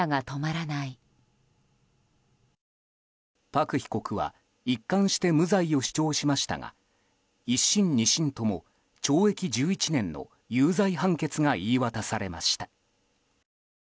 パク被告は一貫して無罪を主張しましたが１審、２審とも懲役１１年の有罪判決が言い渡されました。